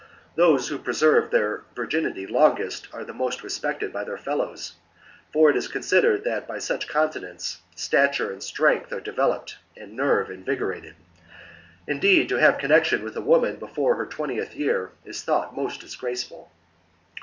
Those who preserve their virg inity of hunters <=>^ and warriors. longest are most respected by their fellows, for it is considered that by such continence stature Theyhonom and strength are developed and nerve invigorated :'^"^'"^"*'^' indeed, to have connexion with a woman before her twentieth year is thought most disgraceful.